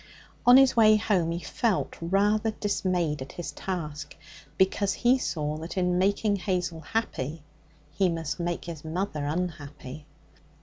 On his way home he felt rather dismayed at his task, because he saw that in making Hazel happy he must make his mother unhappy.